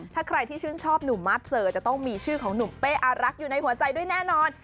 ถ้าใครที่ชื่นชอบหนุ่มมาสเซอร์จะต้องมีชื่อของหนุ่มเป้อารักษ์อยู่ในหัวใจด้วยแน่นอน